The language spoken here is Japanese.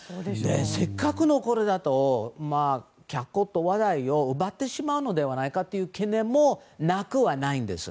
せっかくのこれだと脚光と話題を奪ってしまうのではないかという懸念もなくはないんです。